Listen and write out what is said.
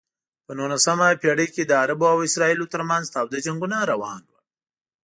په نولسمه پېړۍ کې د عربو او اسرائیلو ترمنځ تاوده جنګونه روان و.